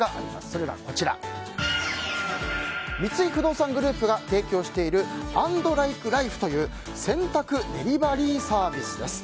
それが、三井不動産グループが提供している＆ＬｉｋｅＬｉｆｅという洗濯デリバリーサービスです。